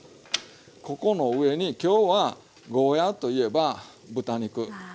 ここの上に今日はゴーヤーといえば豚肉。